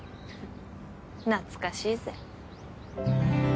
懐かしいぜ。